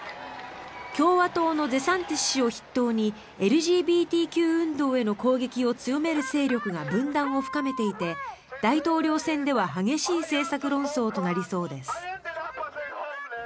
共和党のデサンティス氏を筆頭にＬＧＢＴＱ運動への攻撃を強める勢力が分断を深めていて大統領選では激しい政策論争となりそうです。